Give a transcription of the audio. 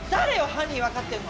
犯人分かってるの。